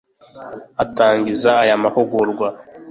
Atangiza aya mahugurwa